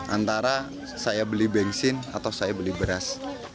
antara saya beli bensin atau saya beli beras